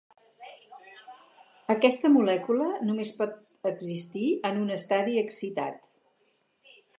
Aquesta molècula només pot existir en un estadi excitat.